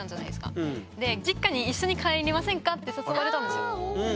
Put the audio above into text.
で「実家に一緒に帰りませんか？」って誘われたんですよ。